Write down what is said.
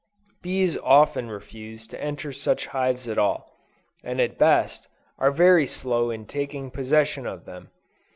Bees often refuse to enter such hives at all, and at best, are very slow in taking possession of them.